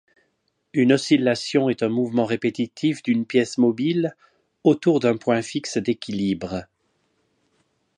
Une oscillation est un mouvement répétitif d'une pièce mobile autour d'un point fixe d'équilibre.